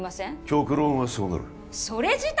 極論はそうなるそれ自体